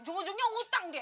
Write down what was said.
ujung ujungnya utang dia